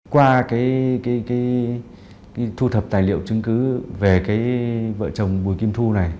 qua cái thu thập tài liệu chứng cứ về cái vợ chồng bùi kim thu này